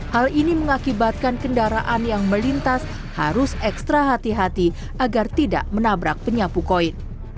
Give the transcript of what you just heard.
hal ini mengakibatkan kendaraan yang melintas harus ekstra hati hati agar tidak menabrak penyapu koin